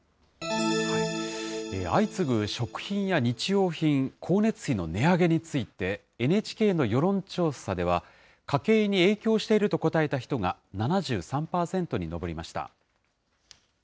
相次ぐ食品や日用品、光熱費の値上げについて、ＮＨＫの世論調査では、家計に影響していると答えた人が７３％に上りました。